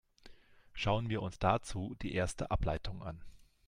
Schauen wir uns dazu die erste Ableitung an.